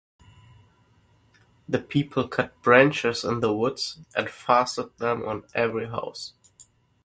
The people cut branches in the wood and fasten them on every house.